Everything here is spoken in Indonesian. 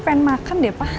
pengen makan deh pa